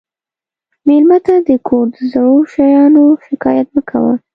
مېلمه ته د کور د زړو شیانو شکایت مه کوه.